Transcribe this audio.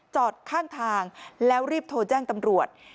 จอดข้างทางแล้วรีบโทรแจ้งตำรวจ